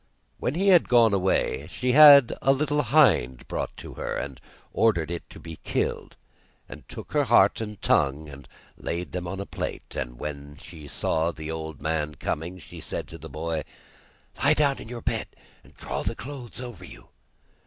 When he had gone away, she had a little hind brought to her, and ordered her to be killed, and took her heart and tongue, and laid them on a plate, and when she saw the old man coming, she said to the boy: 'Lie down in your bed, and draw the clothes over you.